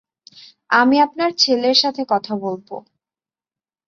আমি আপনার ছেলের সাথে কথা বলব।